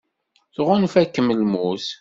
Tɣunfa-kem lmut.